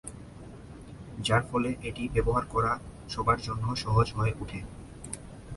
যার ফলে এটি ব্যবহার করা সবার জন্য সহজ হয়ে উঠে।